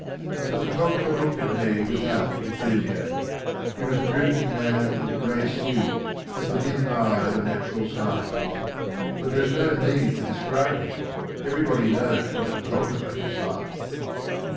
The photographer looked at me without enthusiasm. He was a drooping man in a gray suit, with the dim eye of a natural scientist. But there is no need to describe him. Everybody knows what a photographer is like.